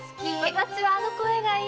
私はあの声がいい！